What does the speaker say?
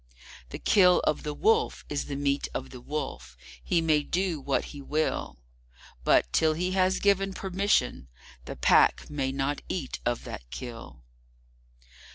The Kill of the Wolf is the meat of the Wolf. He may do what he will, But, till he has given permission, the Pack may not eat of that Kill.